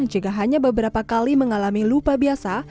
jika hanya beberapa kali mengalami lupa biasa